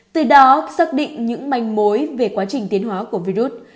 từ đó xác định những manh mối về quá trình tiến hóa của virus